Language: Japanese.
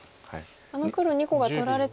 あの黒２個が取られちゃうと。